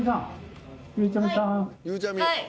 ゆうちゃみさん！